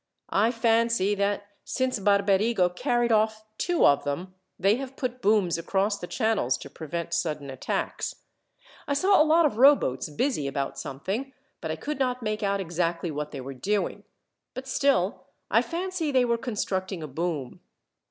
I fancy that, since Barberigo carried off two of them, they have put booms across the channels to prevent sudden attacks. I saw a lot of rowboats busy about something, but I could not make out exactly what they were doing; but still, I fancy they were constructing a boom.